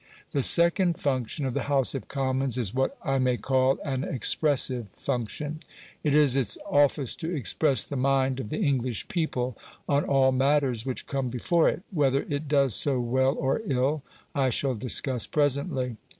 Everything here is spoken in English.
The second function of the House of Commons is what I may call an expressive function. It is its office to express the mind of the English people on all matters which come before it. Whether it does so well or ill I shall discuss presently.